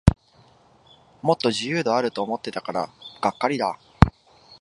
もっと自由度あると思ってたからがっかりだ